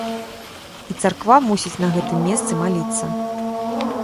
І царква мусіць на гэтым месцы маліцца.